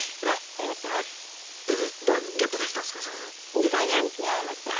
実際につきあいました。